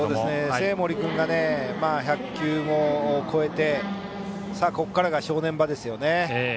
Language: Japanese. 生盛君が１００球を超えてさあ、ここからが正念場ですよね。